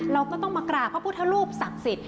เราก็ต้องมากราบพระพุทธรูปศักดิ์สิทธิ